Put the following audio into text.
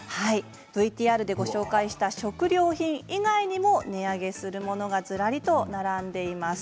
ＶＴＲでご紹介した食料品以外にも値上げするものがずらりと並んでいます。